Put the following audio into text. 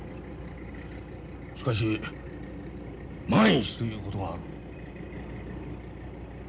しかし万一ということがある。